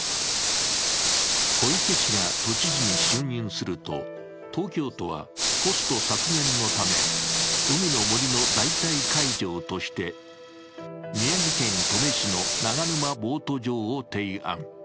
小池氏が都知事に就任すると、東京都はコスト削減のため、海の森の代替会場として宮城県登米市の長沼ボート場を提案。